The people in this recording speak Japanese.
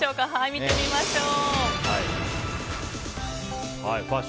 見てみましょう。